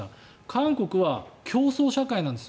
韓国は競争社会なんです。